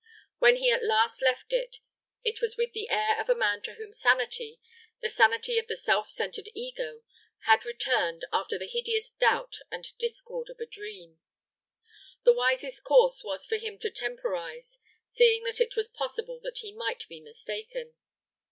When he at last left it, it was with the air of a man to whom sanity, the sanity of the self centred ego, had returned after the hideous doubt and discord of a dream. The wisest course was for him to temporize, seeing that it was possible that he might be mistaken.